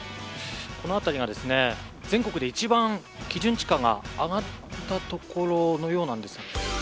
この辺りがですね、全国で一番基準地価が上がった所のようなんです。